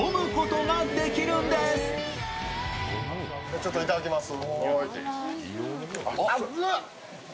ちょっといただきます。